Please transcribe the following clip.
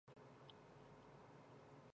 阮光韶是越南现代诗人。